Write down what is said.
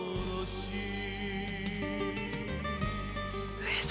上様！